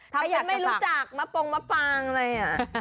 ถ้าฉันไม่รู้จักมะปงมะปางอะไร